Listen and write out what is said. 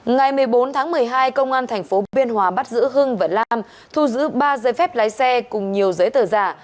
ngày một mươi bốn tháng một mươi hai công an tp biên hòa bắt giữ hưng và lam thu giữ ba giấy phép lái xe cùng nhiều giấy tờ giả